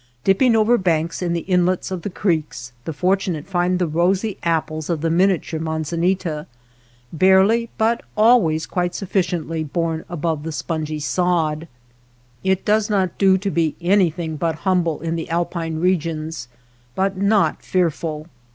Dipping over banks in the inlets of the creeks, the fortu nate find the rosy apples of the miniature manzanita, barely, but always quite suffi ciently, borne above the spongy sod. It does not do to be anything but humble in the alpine regions, but not fearful.